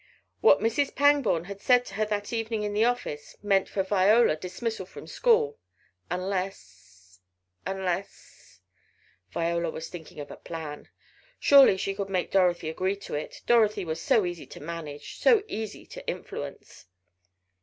What Mrs. Pangborn had said to her that evening in the office meant for Viola dismissal from school, unless unless Viola was thinking of a plan. Surely she could make Dorothy agree to it, Dorothy was so easy to manage, so easy to influence.